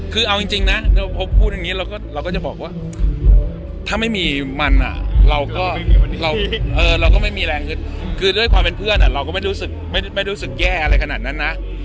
คือเอาจริงนะพอพูดอย่างนี้เราก็จะบอกว่าถ้าไม่มีมันเราก็เราก็ไม่มีแรงขึ้นคือด้วยความเป็นเพื่อนเราก็ไม่รู้สึกไม่รู้สึกแย่อะไรขนาดนั้นนะ